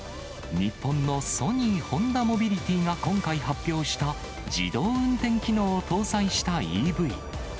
日本のソニー・ホンダモビリティが今回発表した自動運転機能を搭載したＥＶ。